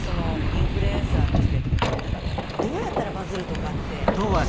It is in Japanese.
インフルエンサーとしてどうやったらバズるとかって。